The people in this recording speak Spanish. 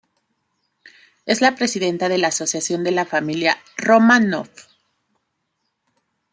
Es la presidenta de la Asociación de la Familia Románov.